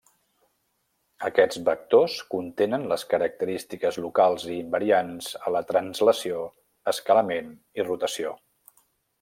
Aquests vectors contenen les característiques locals i invariants a la translació, escalament i rotació.